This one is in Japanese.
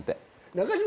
中島